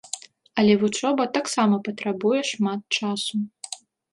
Але вучоба таксама патрабуе шмат часу.